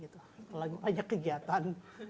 kalau lagi banyak kegiatan